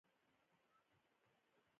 کتابونه د هوښیارانو ملګري دي.